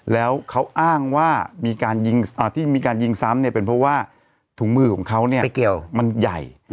แล้วเขาอ้างว่ามีการยิงที่มีการยิงซ้ำเนี่ยเป็นเพราะว่าถุงมือของเขาเนี่ยมันใหญ่